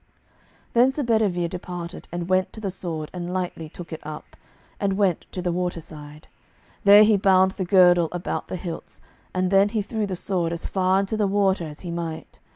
Then Sir Bedivere departed, and went to the sword, and lightly took it up, and went to the waterside. There he bound the girdle about the hilts, and then he threw the sword as far into the water as he might.